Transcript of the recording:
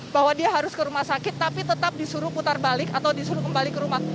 bahwa dia harus ke rumah sakit tapi tetap disuruh putar balik atau disuruh kembali ke rumah